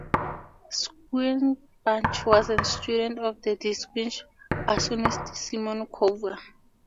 Schoenbach was a student of the distinguished bassoonist Simon Kovar.